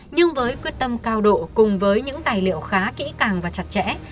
nhưng với quyết tâm cao độ cùng với những tài liệu khá kỹ càng và chặt chẽ